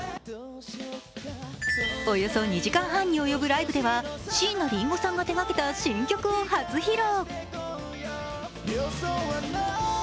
およそ２時間半におよぶライブでは、椎名林檎さんが手がけた新曲を初披露。